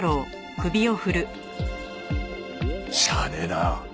しゃあねえな。